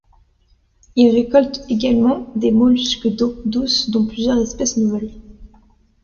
Il récolte également des mollusques d'eau douce dont plusieurs espèces nouvelles.